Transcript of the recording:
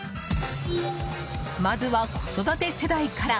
まずは子育て世代から。